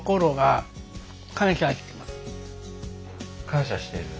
感謝してる？